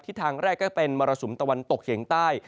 ทางแรกก็เป็นมรสุมตะวันตกเฉียงใต้